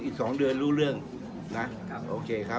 อีกสองเดือนรู้เรื่องนะ